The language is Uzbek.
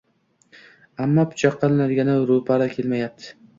Ammo pichoqqa ilinadigani ro‘paro‘ kelmayapti